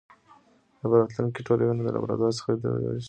ایا په راتلونکې کې ټول وینه د لابراتوار څخه تولید شي؟